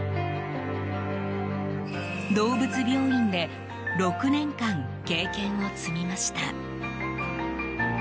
動物病院で６年間経験を積みました。